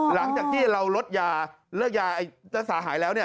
หลังจากที่เราลดยาเลิกยารักษาหายแล้วเนี่ย